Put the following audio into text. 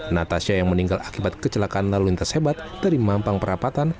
natasha yang meninggal akibat kecelakaan lalu lintas hebat dari mampang perapatan